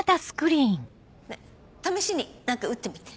試しに何か打ってみて。